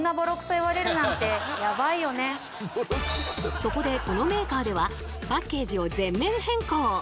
そこでこのメーカーではパッケージを全面変更！